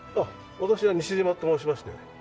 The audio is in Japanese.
私は西島と申しまして。